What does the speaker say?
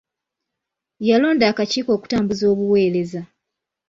Yalonda akakiiko okutambuza obuweereza.